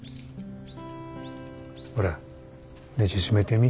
ほらねじ締めてみ。